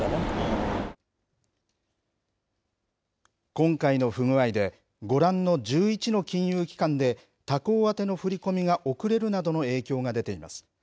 今回の不具合で、ご覧の１１の金融機関で、他行宛ての振り込みが遅れるなどの影響が出ています。